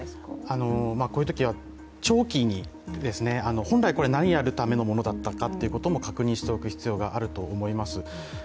こういうときは、長期に本来何をやるためのものだったのかということを確認する必要があると思います。